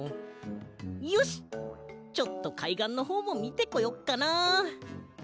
よしちょっとかいがんのほうもみてこよっかな。